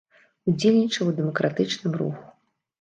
Удзельнічала ў дэмакратычным руху.